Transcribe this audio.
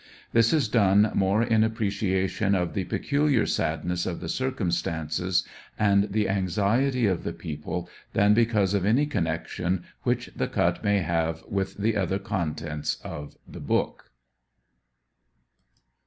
This is done more in appreciation of the peculiar sadness of the circumstances and the anxiety of the people, than because of any connection which the cut may have with the other contents of the book.